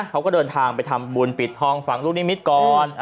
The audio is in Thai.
เขาก็เดินทางไปทำบุญปิดทองฝั่งลูกนิมิตรก่อน